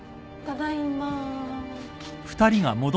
ただいま。